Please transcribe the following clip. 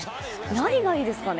何がいいですかね？